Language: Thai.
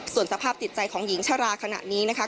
ส่วนสภาพจิตใจของหญิงชราขณะนี้นะคะ